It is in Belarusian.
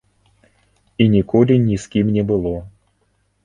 І ніколі ні з кім не было.